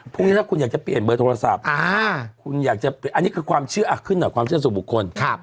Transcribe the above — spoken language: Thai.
พรุ่งนี้ถ้าคุณอยากจะเปลี่ยนเบอร์โทรศัพท์คุณอยากจะอันนี้คือความเชื่อขึ้นหน่อยความเชื่อสู่บุคคล